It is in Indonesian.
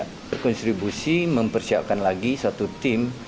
konsep konstribusi mempersiapkan lagi satu tim